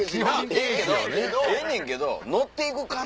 ええねんけど「乗って行くか？」